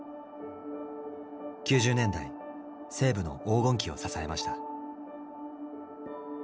９０年代西武の黄金期を支えました。